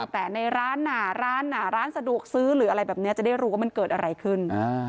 แต่ในร้านหนาร้านหนาร้านสะดวกซื้อหรืออะไรแบบนี้จะได้รู้ว่ามันเกิดอะไรขึ้น